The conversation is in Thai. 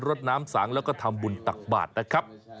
ดน้ำสังแล้วก็ทำบุญตักบาทนะครับ